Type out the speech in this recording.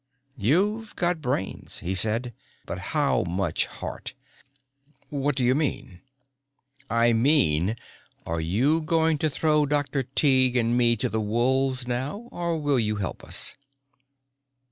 "You've got brains," he said, "but how much heart?" "What do you mean?" "I mean, are you going to throw Dr. Tighe and me to the wolves now? Or will you help us?"